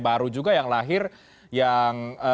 baru juga yang lahir yang